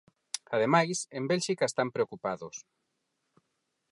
Ademais, en Bélxica están preocupados.